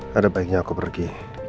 pada baiknya aku pergi